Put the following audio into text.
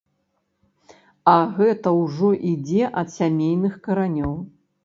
А гэта ўжо ідзе ад сямейных каранёў.